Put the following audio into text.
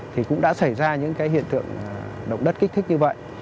thì cũng đã xảy ra những cái hiện tượng động đất kích thích như vậy